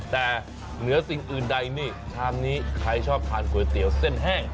แต่เหนือสิ่งอื่นใดนี่ชามนี้ใครชอบทานก๋วยเตี๋ยวเส้นแห้ง